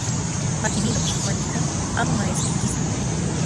Makimilo uan ijkon amo maeskijkisa.